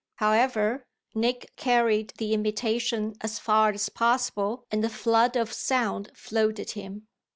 However, Nick carried the imitation as far as possible, and the flood of sound floated him.